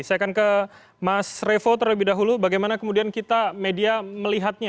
saya akan ke mas revo terlebih dahulu bagaimana kemudian kita media melihatnya